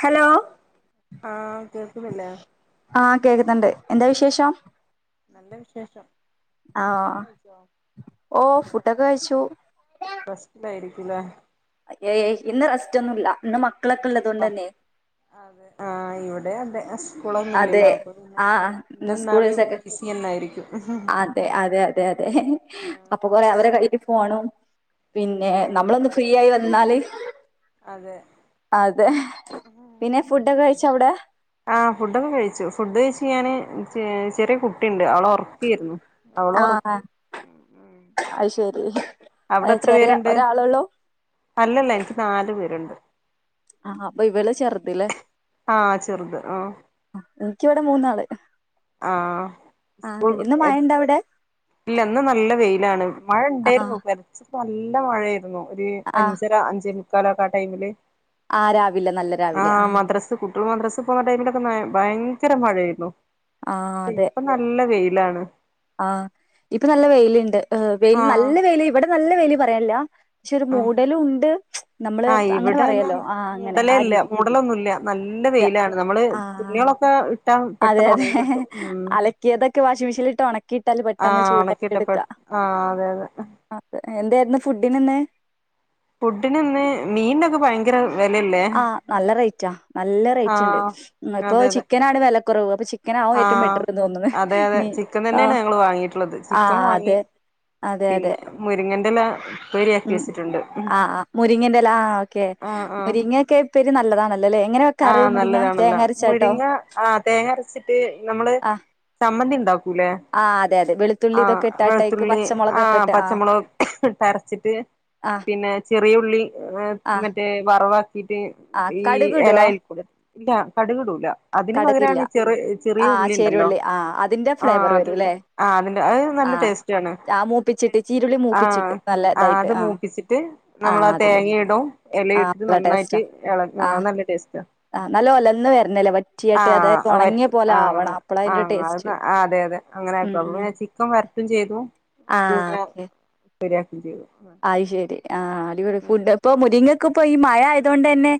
Hello ആഹ് കേൾക്ക്ന്നില്ലെ ആഹ് കേക്ക്ന്ന്ണ്ട് എന്താ വിശേഷം നല്ല വിശേഷം ആഹ് ഭക്ഷണം കഴിച്ചോ ഓഹ് ഫുടക്കയിച്ചു റസ്‌റ്റിലായിരിക്കില്ല ഏയ് ഇന്ന് റസ്റ്റ് ഒന്നു ഇല്ല ഉവാഅതെ ആഹ് ഇവിടെ അതെ അതെ സ്കൂളൊന്നുംല്ലല്ലോ അപ്പൊ പിന്നെ ആഹ് ഇന്ന് എന്ത സ്കൂൾ നാളെ ദിവസൊക്കെ ബിസി എന്നായിരിക്കും അതെ അതെ അതെ അതെ അപ്പൊ കൊറേ അവരെ കയ്യി ഫോണു പിന്നെ ആഹ് നമ്മളൊന്ന് ഫ്രീ ആയി വന്നാല് അതെ അതെ പിന്നെ ഫുഡൊക്കെ കഴിച്ചോ അവിടെ ആ ഫുഡൊക്കെ കഴിച്ചു ഫുഡ് കഴിച്ച് ഞാന് ചെറിയ കുട്ടിയുണ്ട് അവളെ ഉറക്കിയിരുന്നു അവൾ ആഹ് ഉറക്കി അത് ശെരി അവിടെ എത്ര ചെറിയ പേരുണ്ട് ഒരാളൊള്ളൂ അല്ലല്ല എനിക്ക് നാലു പേരുണ്ട് ആഹ അപ്പൊ ഇവള്ചെറുതല്ലേ ആഹ ചെറുത് ആഹ എനിക്കിവിടെ മൂന്നാള് ആഹ ആഹ് സ്കൂൾ അതെ ഇന്ന് പോയി മഴ എ ഇണ്ട അവിടെ ഇല്ലന്ന് നല്ല വെയിലാണ് മഴ ആഹ് ഉണ്ടായിരുന്നു പെൽച്ച നല്ല മഴ ആയിരുന്നു ഒരു ആഹ് അഞ്ചര അഞ്ചോ മുക്കാലൊക്കെ ആ ടൈമില് ആഹ് രാവിലെ നല്ല രാവിലെ ആഹ് മദ്ര റസ് കുട്ടികൾ മദ്ര റസ് പോകുന്ന ടൈമിലൊക്കെ ഭയങ്കരമഴയായിരുന്നു ആഹ് അതെ ഇപ്പ നല്ല വെയിലാണ് ആഹ് ഇപ്പൊ നല്ല വെയ്ൽ ഉണ്ട് വെൽ ആഹ് നല്ല വെൽ ഇവിടെ നല്ല വെയിയില് പറയാനല്ല പക്ഷെ ഒരു ആഹ് മൂടലും ഉണ്ട്. നമ്മള് ആഹ് അങ്ങനെ പറയും ഇവിടെന്നും അല്ലോ. ആ അങ്ങനെ ആ രീതി ല്ല വെയിലാണ് നമ്മള് ആഹ് തുണികളൊക്കെ ഇ അതെ ട്ടാപെട്ടെന്ന് അതെ ഉണങ്ങി കിട്ടും. ഉം അലക്കിയതൊക്കെ വാഷിംഗ് മെഷീനിലിട്ട് ഒണക്കിയിട്ടാല് ആ പെട്ടെന്ന് ഉണക്കിയിട്ട പെട്ട ആ അതെ അതെ. അത് എന്തേരുന്നു ഫുഡ്ന് എന്ന് ഫുഡ്ന് ഇന്ന് മീൻനൊക്കെ ഭയങ്കര വിലയല്ലേ ആ നല്ല റേറ്റാ. നല്ല റേറ്റ് ഉണ്ട് ആഹ് ഇന്നിപ്പൊ ചിക്കനാണ് വിലക്കുറവ് അപ്പൊ ചി ആ അതെ അതെ ചിക്കൻ തന്നെയാണ് ആഹ് ഞങ്ങള് വാങ്ങിയിട്ടുള്ളത്. ആഹ് ചിക്കൻ വാങ്ങി അതെ അതെ അതെ പിന്നെ മുരിങ്ങൻന്റെല ഉം ആ ആ മുരിങ്ങന്റെല. ആ ഓക്കെ മുരിങ്ങൊക്കെ ഉപ്പേരി നല്ലതാണല്ലോ അല്ലേ. ആ നല്ലതാണല്ലോ. മുരിങ്ങ ആ തേങ്ങ അരച്ചിട്ട് നമ്മള് ആഹ് ചമ്മന്തി ഇണ്ട ക്കൂലെ ആഹ് അതെ അതെ വെളുത്തുള്ളി ആ ഇതൊക്കെ ഇട്ടാട്ടയ്ക്ക് വെളുത്തുള്ളി ആ പച്ചമുളകൊക്കെ ഇട്ട് ആഹ് പച്ചമുളക് അരച്ചിട്ട് ആഹ് പിന്നെ ചെറിയുള്ളി ആഹ് മറ്റേ വറവാക്കീട്ട് ആഹ് ഈ കടുക് ഇടുവോ ഇലായിൽ കൂടെ. ഇല്ല കടുകിടൂല അതിന് കടുകില്ല പകരാണ് ചെറ് ചെറിയ ആഹ് ഉള്ളി ഉണ്ടല്ലോ ചേരുള്ളി ആഹ് അതിന്റെ ആ ഫ്ലേവർ അതിട്ട് വരൂല്ലേ അ അതിൻ്റെ ന നല്ല ആഹ് ടേസ്റ്റ് ആണ്. ആഹ് മൂപ്പിച്ചിട്ട് ചീരുള്ളി ആ മൂപ്പിച്ചിട്ട് നല്ല ഇതായിട്ട് അത് ആഹ് മൂപ്പിച്ചിട്ട് നമ്മള് ആഹ് ആ തേ ങ്ങ അതിലേക്ക് ഇടും ഇല ആഹ് ഇട്ടിട്ട് നന്നായിട്ട് ഇള ആനല്ല ടേസ്റ്റ് ആ നല്ല ഒലന്ന് വരണല്ലേ. വറ്റ് ആ വറ്റും ആ അപ്പളാ ആ അതിന്റെ അ ടേസ്റ്റ് അതെ അതെ അങ്ങനെ ആക്കും അപ്പൊ പിന്നെ ചിക്കൻ വ ചെയ്തു ആ ഇത് ഇങ്ങനെ ഓക്കെ ശരിയാക്കും ചെയ്തു അയ് ശെരി ആ അടിപൊളി ഫുഡ് ഇപ്പൊ മുരിങ്ങക്കിപ്പോ ഈ മഴ ആയതോണ്ടന്നെ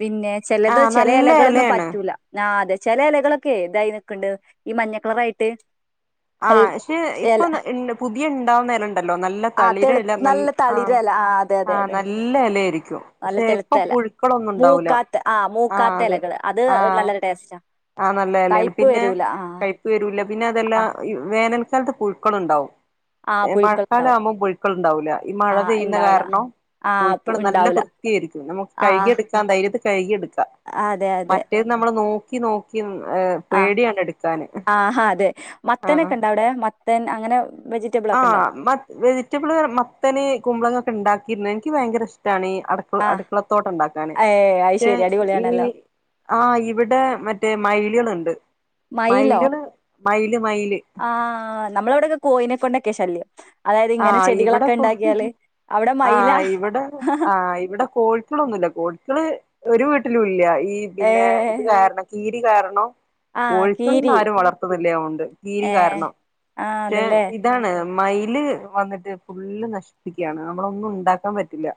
പിന്നെ ചിലത് ആഹ് ചില നല്ല ഇലകളൊന്നും എലയാണ് പറ്റൂല ആ അതെ ചില ഇലകളൊ ക്കെ ഇതായി നിക്കണ്ട് ഈ മഞ്ഞക്കളറായിട്ട്. ആ ക്ഷെ ഇപ്പൊ ഇണ്ട് പുതിയ ഉണ്ടാവുന്ന ഇല ഇണ്ടല്ലോ നല്ല ആഹ് തെളു തളിരെല നല്ല ആ തളിരല ആഹ് അതെ അതെ ആ അതെ നല്ല ഇല ആയിരിക്കും. പക്ഷെ ഇപ്പൊ പുഴുക്കളൊന്നും ഉണ്ടാവൂല. ആ ആഹ് അതെ മൂക്കാത്തെലകള് അത് ആഹ് നല്ലൊരു ടേസ്റ്റാ. ആഹ് നല്ല എലയാണ് കയ്പ് പിന്നെ വരൂല ആ കയ്പ് വരൂല്ല പിന്നെ അതെല്ലാ വേനൽക്കാലത്ത് പുഴുക്കളുണ്ടാവും. ആഹ് പുഴുക്കൾ മഴക്കാലം ഉണ്ടാവും ആവുമ്പോ പുഴുക്കൾ ഉണ്ടാവൂല. ഈ മഴ ആഹ് പെയ്യുന്ന ഇണ്ടാവൂല കാരണം ആഹ് പുഴുക്കൾ നല്ല ഉണ്ടാവൂല വൃത്തിയായിരിക്കും. നമുക്ക് ആഹ് കഴുകിയെടുക്കാൻ ധൈര്യത് കയ്കിയെട്ക്കാം. അതെ അതെ മറ്റേത് നമ്മള് നോക്കി നോക്കി നി ആഹ് അഹ അതെ മത്തനക്കെണ്ടാ അവിടെ മത്തൻ അങ്ങനെ വെജിറ്റബിൾ ആ ഒക്കെ ഉണ്ടോ മ വെജിറ്റബിള് മത്തന് കുമ്പളങ്ങൊക്കെ ഉണ്ടാക്കിരിന്ന് എനിക്ക് ഭയങ്കര ഇഷ്ടാണി അടുക്കള ആഹ് അടുക്കളത്തോട്ടം ഉണ്ടാക്കാന് ഏ അത് പക്ഷെ ശെരി ഈ അടിപൊളിയാണല്ലോ. ആ ഇവിടെ മറ്റേ മയിലുകളുണ്ട്. മയില്കള് ആ നമ്മളെ ഇവിടെയൊക്കെ കോയിനെ കൊണ്ടൊക്ക്യാ ശല്യം. അതായത് ആ ഇങ്ങനെ ഇവിടെ ചെടികളൊക്കെ കോ ഇണ്ടാക്കിയാല് അവിടെ ആ മയില ഇവിടെ ആ ഇവിടെ കോഴിക്കളൊന്നുല്ല കോഴിക്കള് ഒരു വീട്ടിലും ഇല്ല, ഈ പിന്നെ ഏഹ് ഇത് കാരണം കീരി കാരണം. ആഹ് കോഴിക്കള് കീരി ഇന്നാരും വളർത്തുന്നില്ല അതുകൊണ്ട് കീരി ഏഹ് കാരണം ആഹ് പക്ഷെ അതല്ലേ ഇതാണ് മയില് വന്നിട്ട് ഫുള്ള് നശിപ്പിക്കാണ് നമ്മളൊന്നും ഉണ്ടാക്കാൻ പറ്റില്ല.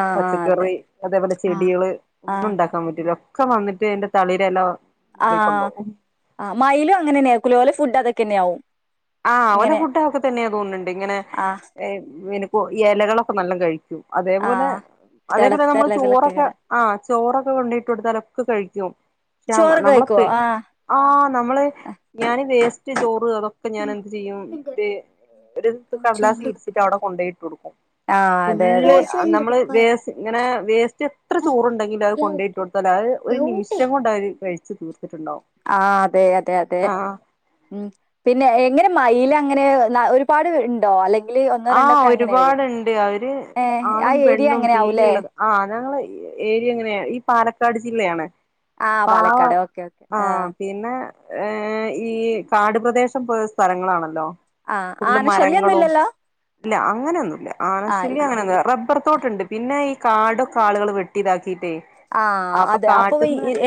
ആഹ് ആഹ് അതെ. പച്ചക്കറി അതേപോലെ ആഹ്. ചെടികള് ഒന്നും ആഹ് ഉണ്ടാക്കാൻ പറ്റൂല്ല. ഒക്കെ വന്നിട്ട് അതിന്റെ തളിരെല ആഹ് ആഹ് മയിലും അങ്ങനെ തന്നെയാ [unintelligible] ഫുഡ് അതൊക്കെ തന്നെയാവും. ആ ഓലെ ഫുഡ് അതൊക്കെ തന്നെയാ തോന്നുന്നുണ്ട്. ഇങ്ങനെ ആഹ് പിന്നെ കോ ഇലകളൊക്കെ നല്ലോണം കഴിക്കും. ക്കും അതേപോലെ ആഹ് അതേപോലെ തെളത്ത നമ്മള് ചോറൊക്കെ എലകളൊക്കെങ്ങനെ ആ ചോറൊക്കെ കൊണ്ടിട്ട് കൊടുത്താലൊക്കെ കഴിക്കും. ക്കാം ചോറൊക്കെ നമ്മളെ കഴിക്കോ? പേ ആഹ് ആ നമ്മള് ഞാന് വേസ്റ്റ് ചോറ് അതൊ ഞാൻ എന്ത് ചെയ്യും ഒരു ഒരു കടലാസ് സ്വീറ്റ്സിട്ട് അവിടെ കൊണ്ടോയിട്ട് കൊടുക്കും. ആഹ് അതെ അതെ. ഫുള്ള് നമ്മള് വേസ് ഇങ്ങനെ വേസ്റ്റ് എത്ര ചോറ്ണ്ടെങ്കിലും അത് കൊണ്ടോയിട്ട് കൊടുത്താല് അത് നിമിഷം കൊണ്ടവര് കഴിച്ച് ആഹ് അതെ അതെ അതെ ആഹ് ഉം പിന്നെ എങ്ങനെ മയിൽ അങ്ങനെ ഒരുപാട് ഉണ്ടോ അല്ലെങ്കി ആ ഒരുപാടുണ്ട് അവര് ആ ആണും ഏരിയ പെണ്ണും അങ്ങനെ ആവൂല്ലേ പീലിള്ളത് ആ ഞങ്ങള് ഏരിയ എങ്ങനെയാണ് ഈ പാലക്കാട് ജില്ലയാണ് ആ അപ്പ ആഹ് പാലക്കാട് ഓക്കെ ഓക്കെ ആ പിന്നെ ഏഹ് ഈ കാടുപ്രദേശം പോലുള്ള സ്ഥലങ്ങളാണല്ലോ. ആ ഫുള്ള് ആന ശല്യൊന്നും മരങ്ങളും ഇല്ലല്ലോ? ഇല്ല അങ്ങനെയൊന്നും ഇല്ല ആനശല്യം അങ്ങനെ റബ്ബർ ത്തോട്ടുണ്ട് പിന്നെ ഈ കാടൊക്കെ ആളുകള് വെട്ടി ഇതാക്കിയിട്ടേ ആ അതെ അപ്പൊ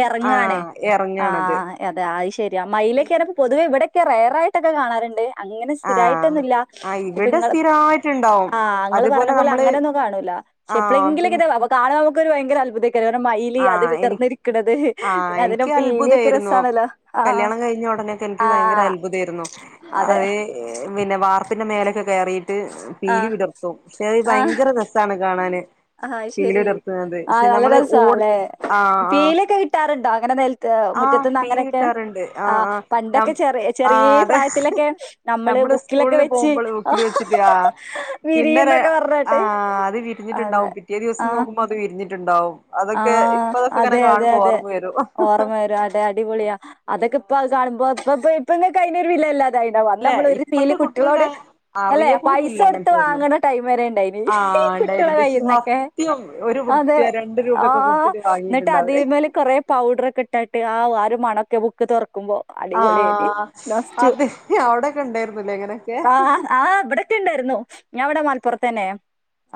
ഇറങ്ങാണ് ആഹ് എറങ്ങാണത് ആഹ് അതെ അത് ശരിയ പിന്നെ മയിലക്കെപ്പോ പൊതുവെ ഇവിടെയൊക്കെ റെയർ ആയിട്ടൊക്കെ കാണാറുണ്ട്. അങ്ങനെ ആഹ് സ്ഥിരായിട്ടൊന്നില്ല ആഹ് ഇപ്പൊ ഇവിടെ നിങ്ങെ സ്ഥിരമായിട്ടുണ്ടാവും ആഹ് നിങ്ങൾ അതുപോലെ പറഞ്ഞ പോലെ നമ്മള് അങ്ങനെന്നും കാണൂല. പക്ഷെ ആഹ് എപ്പോഴെങ്കിലു പിൻ [unintelligible] കാണാ നമുക്ക് ഒരു ഭയങ്കര അത്ഭുതംക്ക മയില് അത് വിടർന്നിരിക്കണുന്നത്. ആ എനിക്ക് അത്ഭുത ആയിരുന്നു ആ കല്യാണം കഴിഞ്ഞ ഉടനെക്കെ എനിക്ക് ഭയങ്കര ആ അത്ഭുത ആയിരുന്നു. അതെ അത് പിന്നെ വാർത്ത പിന്നെ മേലൊക്കെ കയറിട്ട് പീലി ആഹ് വിടർത്തും പക്ഷെ ആഹ് ഭയങ്കര രസമാണ് കാണാന്. ആഹ് പീലി ശരി വിടർത്തുന്നത് ആഹ് പക്ഷെ നല്ല നമ്മള് രസാ ഓട് അല്ലെ ആഹ് ആ പീലൊക്കെ കിട്ടാറുണ്ടോ അങ്ങനെ നിലത്ത് ആഹ് മുറ്റത്തുനിന്ന് പീലി അങ്ങനെയൊക്കെ കിട്ടാറുണ്ട് ആ ആഹ് ആ ന പണ്ടൊക്കെ ചെറിയ ആ ചെറിയ അതെ. പ്രായത്തിലൊക്കെ നമ്മള് ബുക്കിലൊക്കെ സ്കൂളില് വെച്ച് പോകുമ്പോൾ ബുക്കില് വെച്ചിട്ടയാ പിന്നെ വിരിയുന്നൊക്കെ ആ പറഞ്ഞിട്ട് അത് അതെ വിരിഞ്ഞിട്ടുണ്ടാവും പിറ്റേ ദിവസം ആഹ് നോക്കുമ്പോ അത് വിരിഞ്ഞിട്ടുണ്ടാവും. അതൊക്കെ ആഹ് ഇപ്പ അതൊക്കെ ഇങ്ങനെ അതെ അതെ. കാണുമ്പോ അതെ ഓർമ്മ വരും ഓർമ്മ വരും അതെ അടിപൊളിയ അതൊക്കെ ഇപ്പ കാണുമ്പോ അപ്പൊ ഇപ്പ [unintelligible] അല്ലെ നമ്മൾ ഒരു ഫീല് ഇപ്പോഴത്തെ കുട്ടികൾക്ക് കുട്ടികളോട് അല്ലെ അറിയ പോലും പൈസ കൊടുത്ത് വാങ്ങണ ടൈം വരെ ഉണ്ടായിന്. ആ ഉണ്ടായി കുട്ടികളെ ഇരി സത്യം ഒരു വൃത്തി ആ എന്നിട്ട് അതി മേല് കൊറെ പൗഡർ ഒക്കെ ഇട്ടട്ട് ആ ഒരു മണൊക്കെ ബുക്ക് തുറക്ക പോ അടിപൊളി നു ആഹ് നോസ്റ്റു അത് അവിടെക്കെ ഉണ്ടായിരുന്നില്ലേ ഇങ്ങനെയൊക്കെ ആഹ് ആഹ് ണ്ടായിരുന്നു ഞാൻ അവിടെ മലപ്പുറത്തന്നെ.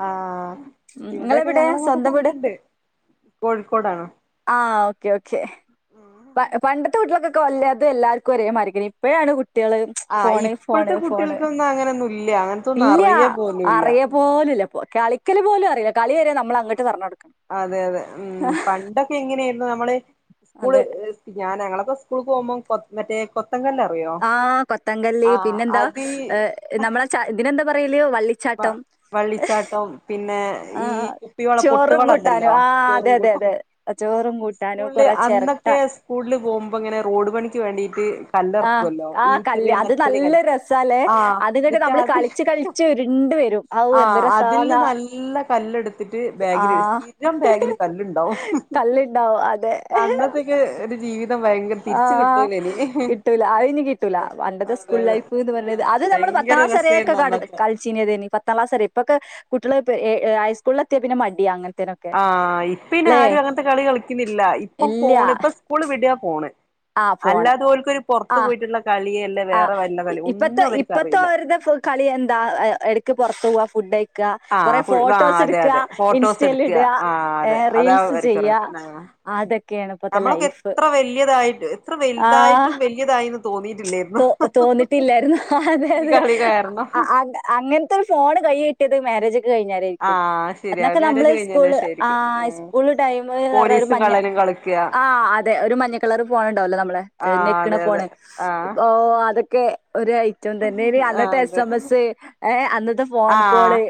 ആഹ് ഇവിടെയൊക്കെ നിങ്ങളെവിടെ ഞങ്ങളങ്ങോട്ടൊക്കെ സ്വന്തം വീട്? അങ്ങനെണ്ട് കോഴിക്കോടാണോ ആ ഓക്കെ ഓക്കെ. പണ്ടത്തെ കുട്ടികൾകൊക്ക വല്ലാതെ എല്ലാവർക്കും ഒരേ മാറരിക്കണം ഇപ്പോഴാണ് കുട്ട കുട്ടിള് ആഹ് ഫോണ് ഫോണ് ഇപ്പോഴത്തെ ഫോണ് കുട്ടികൾക്കൊന്നും അങ്ങനൊന്നും ഇല്ല അങ്ങനത്തൊന്നും ഇല്ല അറിയ പോലുല്ല അറിയ പോലു ല്ലപൊ കളിക്കൽ പോലും അറയ ആഹ് അതെ അതെ ഉം പണ്ടൊക്കെ എങ്ങനെയായിരുന്നു നമ്മള് അതെ സ്കൂള് ഞാന ഞങ്ങളൊക്കെ സ്കൂള് കൊഉമ്പം കൊ മറ്റേ കൊ ത്തങ്കല്ല അറിയോ ആ കൊത്തങ്കല്ല് ആഹ് പിന്നെന്താ അതീ ഏഹ് നമ്മളെ ച ഇതിനെന്താ പറയല് വ വള്ളിച്ചാട്ടം വള്ളിച്ചാട്ടം പിന്നെ എഹ് ആ ഈ കുപ്പിവള ചോറും പൊട്ടുവള കൂട്ടാനും ണ്ടല്ലോ ആ അതെ അതെ അതെ ചോറും [unintelligible] കൂട്ടാനും സ്കൂളില് കൊറേ അ ചെരട്ട ന്നൊക്കെ സ്കൂളിൽ പോഉമ്പോ ഇങ്ങനെ റോഡ് പണിക്ക് വേണ്ടിയിട്ട് ആ കല്ലറക്കുല്ലോ ആ ഈ കല്ല് ചെറിയ അത് മെറ്റല് നല്ല കല്ല് രസാല്ലേ ആഹ് അത്ങ്ങട്ട് ന്നിട്ട് നമ്മള് അത് കളിച്ച് കളിച്ച് ഉരുണ്ട് വരും ഔ എന്ത് ആഹ് അതില് രസാന്നാ നല്ല കല്ലെടുത്തിട്ട് ആ ബാഗിൽ ഇട് സ്ഥിരം ബാഗിൽ കല്ലുണ്ടോ ഓസ് കല്ല്ണ്ടാവും അതെ അന്നത്തേക്കര് ആഹ് കിട്ടൂല അഹ് ഞ്ഞി കിട്ടൂല അതെ പണ്ടത്തെ അതെ സ്കൂൾ അതെ ലൈഫ് ന്ന് പറഞ്ഞത് ആ അത് നമ്മള് പത്താം ഭയങ്കര ക്ലാസ് വരെ ക്കെ രസേര്ന്നു കട് അന്നൊക്കെ കൾച്ചീഞ്ഞെതേഞ് പത് പത്താം ക്ലാസ് വരെ ഇപ്പൊക്കെ കുട്ടികള് പെ എഹ് എഹ് ഹൈസ്കൂളി എത്തിയാ പിന്നെ മടിയാ അങ്ങൻ ആഹ് ഇപ്പ ഇനി ആരും അങ്ങനത്തെ കളി കളിക്കുന്നില്ല ഇപ്പൊ ഇല്ല ഫോണ് ഇപ്പ സ്കൂള് വിട ഫോണ് ആഹ് ഫോണ് അല്ലാത ഓൽക്ക് ഒരു പുറത്തു ആഹ് പോയിട്ടുള്ള കളിയെല്ലാ ആഹ് ഇപ്പത്തെ ഇപ്പത്തെ ഒരുടെ ഫു കളി എന്താ എടക്ക് പുറത്തു പോവാ ഫുഡ് യ് യക കുറെ ആഹ് ഫുൾ ആഹ് ഫോട്ടോസ് അതെ എട്‌ക അതെ ഫോട്ടോസ് ഇൻസ്റ്റൽ എടുക്കുക ഇട ആഹ് അതെ ഏഹ് അതാ റീൽസ് ചെയ്യ അവര്ക്കറിയു അതൊക്കെയാണ് ഇപ്പത്തെ നമ്മളൊക്കെ ലൈഫ് എത്ര വലിയതായിട്ട് എത്ര ആഹ് വലുതായിട്ടും വലിയതായിന്ന് തോന്നിയിട്ടില്ലായിരുന്നു തോ തോന്നിട്ടില്ലായിരുന്നു അതെ ഈ അതെ കളി കാരണം ആഹ് അൻ അങ് അങ്ങൻത്തെ ഒരു ഫോൺ കൈ കിട്ടിയത് മാരേജ് ക് കഴിഞ്ഞാരെരിക്കും ആഹ് ശരിയാ എന്നൊക്കെ നമ്മള് മാരേജ് കഴിഞ്ഞതിന്റെ സ്കൂള് ശേഷായിരിക്കും ആഹ് സ്കൂള് ടൈമ് അർഞ്ഞ ഒരു പോലീസും മഞ്ഞ കള്ളനും കളിക്കുക ആഹ് അതെ ഒരു മഞ്ഞ കളർ ഫോൺ ഉണ്ടാവല്ലോ നമ്മളെ ആഹ് നെക്കിണ അതെ ഫോൺ അതെ ആഹ് ഓഹ് അതൊക്കെ ഒരു ഐറ്റം തന്നെ ആഹ് അന്നത്തെ എസ് അതെ എം എസ് ഏഹ് അന്നത്തെ ഫോൺ ആഹ് കോള്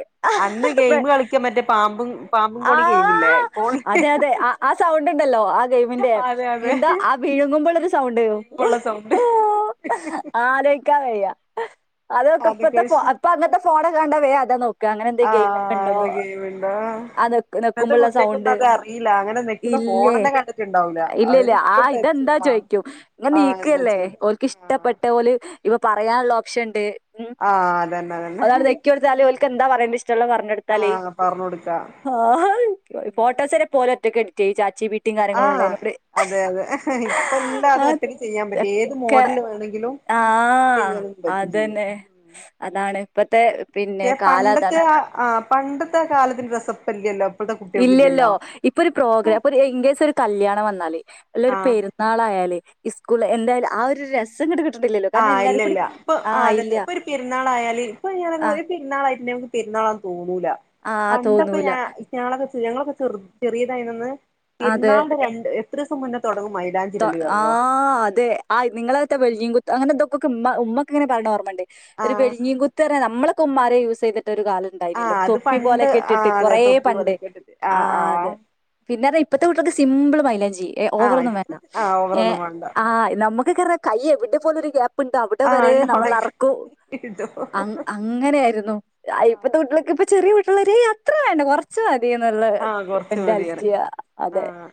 അന്ന് ഗെയിം കളിക്കാൻ മറ്റേ പാമ്പും പാമ്പും കോണി ഗെയിമില്ലേ ആഹ് കോണി അതെ അതെ ആഹ് സൗണ്ട് ഇണ്ടല്ലോ ആ ഗൈമ് ല്ലെ അതെ അതെ എന്താ ആ വിഴുങ്ങുമ്പോ ഇള്ളരു സൗണ്ട് ഉള്ള സൗണ്ട് [inaudible] അലോയ്ക്കാൻവയ്യ. അതൊക്കെ ഇപ്പത്തെ ഫോ അപ്പ അങ്ങത്തെ ഫോണൊക്കെ കണ്ട വേ അത നോ ക്ക അങ്ങനെ എന്നെ ഗെയ്മൊക്കെ ആഹ് ഇണ്ടോ അത് ഗെയിമുണ്ട് ആ ഇപ്പത്തെ നെക്കുമ്പ കുട്ടികക്കൊന്നും ഇള്ളസൗണ്ട് അത് അറിയില്ല അങ്ങനെ നിക്കുന്ന ഇല്ലെ. ഫോണന്നെ കണ്ടിട്ടുണ്ടാവൂല അവര് ഇല്ലല്ല്യആ ഫുള്ള് ടച്ച് ഇതെന്താ ആഹ് ചോയ്ക്കും ഇങ്ങനെ ആഹ് എന്താ നീക്കാല്ലേ ചോദിക്കും ഓക്ക് ഇഷ് ആഹ് ഇഷ്ടപ്പെട്ട ഓല് ഇപ്പൊ പറയാൻള്ള ഓപ്ഷൻ ഇണ്ട് ആഹ് അതന്നെ അതന്നെ ഓൽക്ക് എന്താ പറയണ്ട്യെ ഇഷ്ടള്ളെ പറഞ്ഞടുത്താലേ. ആഹ് പറഞ്ഞു കൊടുക്കാ ഹാ ഫോട്ടോസ് വരെ ഇപോല് ഒറ്റക്ക് ഇപ്പൊ ഓല് ഒറ്റ എ ചാച്ച്ബി ആഹ് അതെ അതെ ഇപ്പ എല്ലാ അത് ഒറ്റക്ക് ചെയ്യാൻ പറ്റി ഏത് അതൊക്കെ മോഡല് വേണെങ്കിലും എടുത്ത് ആഹ് ചെയ്യാനും പറ്റും ചെയ്യും അതെന്നെ അതാണ് ഇപ്പത്തെ പിന്നെ കാലം പണ്ടത്തെ അതാണ് ആ പണ്ടത്തെ കാലത്തിന്റെ രസപ്പല്യല്ലോ ഇല്യല്ലോ. ഇപ്പൊരു പ്രോഗ്രാംഇപ്പൊരു ഇൻ കേസ് ഒരു കല്യാണം വന്നാല് അല്ല ഒരു ആഹ് പെരുന്നാളായാല് ഇ സ്കൂള് എന്തായാലും ആ ഒരു രസം ങ്ങട്ട് കിട്ട് ആഹ് ഇല്ല ഇല്ല ഇപ്പ ആതെന്നെ. ഇപ്പൊ ഒരു പെരുന്നാളായാല് ഇപ്പൊ ആഹ് [unintelligible] പെരുന്നാളായിട്ട പെരുന്നാളാന്ന് തോന്നൂല. ആഹ് പണ്ടൊക്കെ തോന്നൂല ഞാ [unintelligible] ഞങ്ങളൊക്കെ ഞങ്ങളൊക്കെ ചെറ് ചെറ്യേതായിന്യന്ന് അതെ പെരുന്നാള്ടെ രണ്ട് എത്രീസം മുന്നെ തൊടങ്ങും മൈലാഞ്ചി ത ഇടല് അറ്യോ വെൽഞ്ഞീൻകുത്ത് അങ്ങെനെ ഇതൊക്കെക്കെ ഇമ്മ ഉമ്മക്കെ ഇങ്ങനെ പറിണ ഓർമ്മണ്ട് ഒരു ആഹ് വെൽഞ്ഞീ കുത്ത് പറ്യ നമ്മളൊക്കെ ഉമ്മാരെ യൂസ്ചെയ്ട്ട് ത്തെരു കാലം ഇണ്ടായിനല്ലോ. ആഹ് അത് തൊപ്പി പണ്ട് പോല്യെക്കെ ഇട്ടിട്ട് ആഹ് അതെ കൊറേ തൊപ്പി പണ്ട് പോലെയൊക്കെ ഇട്ടിട്ട് ഹാ ആഹ് അത് ആഹ് ഇപ്പത്തെ കൂട്ട്യേക്ക് സിമ്പിള് മൈലാഞ്ചി. എ ആഹ് ഓവറോന്നും വേണ്ട ഇപ്പൊ ആഹ് ഏ ഓവറൊന്നും ഹ് വേണ്ട ആഹ് നമുക്ക് കാറ കൈ എവിടെ പോലൊരു ഗ്യാപ്പ് ഇണ്ടോ അവിടെ വരേ നമ്മൾ ആഹ് നറക്കും ഇടും അ അങ്ങനെ ആയിരുന്നു. ഇപ്പത്തെ കുട്ട്യേളെക്കെ ഇപ്പ ചെറ്യേ കൂട്ട്യെള് പറി അത്ര വേണ്ട കൊറ്ച്ച് ആഹ് കൊറച്ച് മതി [unintelligible] പറയും അതെ ആഹ്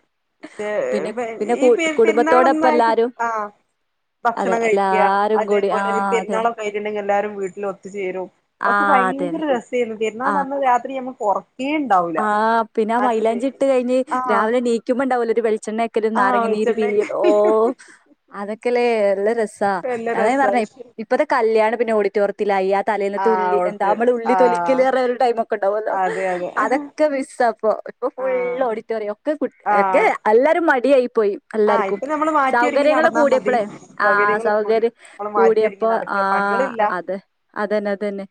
പിന്നെ പക്ഷെ പിന്നെ ഈ കുടുംബത്തോടൊപ്പം പെരുന്നാളൊന്നായിട്ട് എല്ലാരും ആഹ് അതെ ഭക്ഷണം കഴിക്ക എല്ലാരും കൂടി ആ അതേപോലെ അതെ പെരുന്നാളൊക്കെ ആയിട്ടുണ്ടെങ്കിൽ എല്ലാരും വീട്ടിൽ ഒത്തു ചേരും ആ ഒക്കെ അതെന്നെ ഭയങ്കര രസേര്ന്നു ആ പെരുന്നാൾന്റെ അന്ന് രാത്രി ഞമ്മ ഒറ ക്കേ ണ്ടാവൂല ആ പിന്നെ മൈലാഞ്ചിട്ട് കയ്ഞ് രാവിലെ നീക്കുമ്പോണ്ടാവല്ലോ ഒരു വെളി ച്ചണ്ണേക്കലും ആഹ് നാരങ്ങനീര്പീഞ് വെളിച്ചെണ്ണക്കെ ഓ അതൊക്കെല്ലെ നല്ല രസ സ നല്ല അത ഞാൻ രസാ പറഞ്ഞെ ഇപ്പഴത്തെ കല്യാണം പിന്നെ ഓഡിറ്റോറത്തിലായി തലേന്നത്ത് ആഹ് ഉള്ളി എന്താ ഓൾക്ക് നമ്മള് ഉള്ളി ആഹ് തൊലിക്കല് ഒരു ടൈം ക്കെ ണ്ടാവല്ലോ അതെ അതെ ആഹ് അതൊക്കെ മിസ്സ പ്പൊ ഇപ്പൊ ഫുൾ ഓഡിറ്റോറിയം ഒക്കെ കു ഒക്കെ ആഹ് എല്ലാരു മടിയായി പോയി ആഹ് എല്ലാര്ക്കും ഇപ്പൊ നമ്മള് മാറ്റി ഒരുങ്ങി സൗകര്യങ്ങൾ നടന്നാ മതി കൂടിയപ്പളേ ആ സൗകര്യങ്ങൾ കൂടി സൗകര്യം നമ്മള് മാറ്റി ഒരുങ്ങി കൂടിയപ്പോ ആ നടക്ക പണികളില്ല അതെ അതെന്നെ അതെന്നെ അതെന്നെ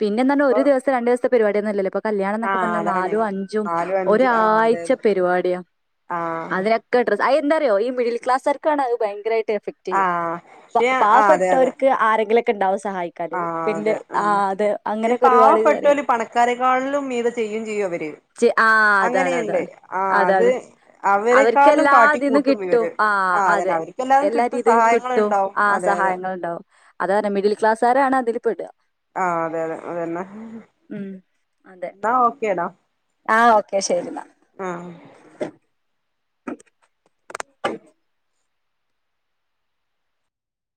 പിന്നെന്ന് പറഞ്ഞാ ഒരു ദിവസ്ത്തെ രണ്ടുസ്ത്തെ പരിപാടിയൊന്നല്ലല്ലോ കല്യാണം ന്നൊക്കെ ആഹ് പറഞ്ഞാ അതാണ് നാലും അഞ്ചും നാലും അഞ്ച് ആഹ് അതെ ഒരാഴ്ച അതെ പരിപാടിയാ ആഹ് [unintelligible] അത് എന്താറിയോഈ മിഡിൽ ക്ലാസ്സാർക്കാണ് അത് ഭയങ്കരായി ട്ട് എഫക്ട് ചെയ്യാ ആഹ് പക്ഷെ പാവപ്പെട്ടോർക്ക് ആരെങ്ങിലും ആ അതെ അത് അങ്ങനെയൊക്കെ ഒരുപാട് കാര്യങ്ങൾ പാവപ്പെട്ടവർ പണക്കാരേക്കാളിലും മീതെ ചെയ്യും ചെയ്യും അവര് ച്ച് ആ അതാണ് അങ്ങനെയുണ്ട് അതാണ് ആഹ് അത് അതാണ് അവരെക്കാളിലും അവർക്ക്ഏല്ലാതിൽന്ന് കാട്ടിക്കൂട്ടും കിട്ടും ഇവര് ആ ആഹ് അതെ അതന്നെ അവർക്കെല്ലാതും കിട്ടും എല്ലാരീതിം കിട്ടും സഹായങ്ങളുണ്ടാവും ആ അതെ അതെ സഹായങ്ങൾണ്ടാവും അതാണ് മിഡിൽക്ലാസ്സുകാരാണ് അതില് ആ അതെ അതെ അതെന്നെ ഉം അതെ ന്നാ ഓക്കെടാ ആ ഓക്കെ ശെരി ന്നാ. [inaudible]